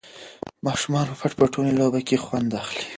ماشومان په پټ پټوني لوبه کې خوند اخلي.